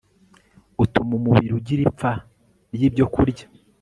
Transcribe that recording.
Utuma umubiri ugira ipfa ryibyokurya